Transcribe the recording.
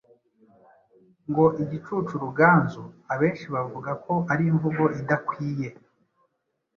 ngo igicucu Ruganzu, abenshi bavuga ko ari imvugo idakwiye